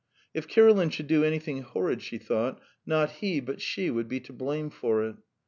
If Kirilin should do anything horrid, she thought, not he but she would be to blame for it.